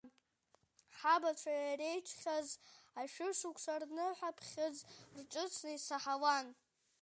Ҳабацәа иареиџьхьаз ашәышықәса, рныҳәаԥхьыӡ рҿыцны исаҳауан.